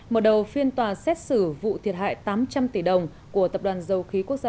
mở đầu phiên tòa xét xử vụ thiệt hại tám trăm linh tỷ đồng của tập đoàn dầu khí quốc gia